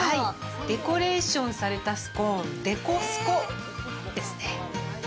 デコレーションされたスコーン、デコスコですね。